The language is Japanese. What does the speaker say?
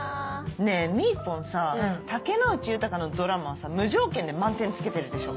ねぇみーぽんさ竹野内豊のドラマはさ無条件で満点つけてるでしょ？